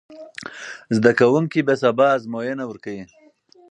زده کوونکي به سبا ازموینه ورکوي.